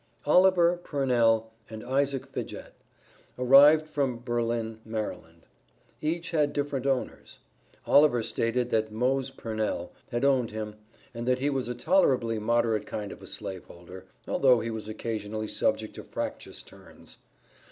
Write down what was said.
Oliver Purnell and Isaac Fidget arrived from Berlin, Md. Each had different owners. Oliver stated that Mose Purnell had owned him, and that he was a tolerably moderate kind of a slave holder, although he was occasionally subject to fractious turns.